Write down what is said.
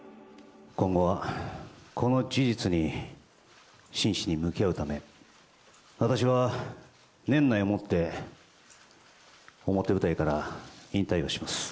今後はこの事実に真摯に向き合うため、私は年内をもって表舞台から引退をします。